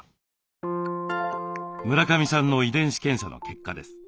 村上さんの遺伝子検査の結果です。